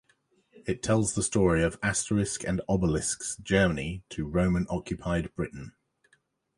It tells the story of Asterix and Obelix's journey to Roman-occupied Britain.